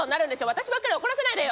私ばっかり怒らせないでよ！